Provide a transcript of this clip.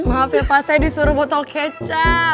maaf ya pak saya disuruh botol kecap